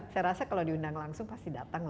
saya rasa kalau diundang langsung pasti datang